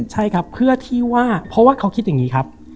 ใช่ครับเพราะว่าเขาคิดอย่างนี้ครับ